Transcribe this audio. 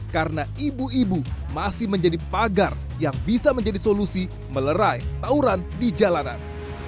karena ibu ibu masih menjadi pagar yang bisa menjadi solusi melerai tauran di jalanan